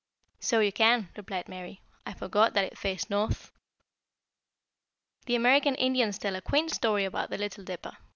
"So you can," replied Mary; "I forgot that it faced north. "The American Indians tell a quaint story about the Little Dipper.